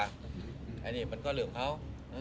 มากกว่าอันนี้ก็เลิกเขา